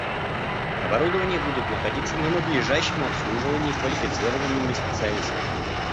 Оборудование будет находиться на надлежащем обслуживании квалифицированными специалистами